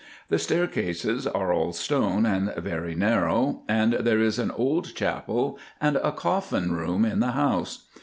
The staircases are all stone and very narrow, and there is an old chapel and a coffin room in the house.